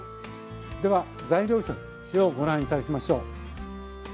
では材料表ご覧頂きましょう。